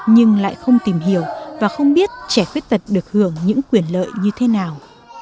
nhưng lại không tìm hiểu và không biết trẻ khuyết tật được hưởng những quyền lợi như thế nào